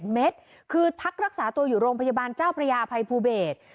๑เมตรคือพักรักษาตัวอยู่โรงพยาบาลเจ้าพระยาภัยภูเบศ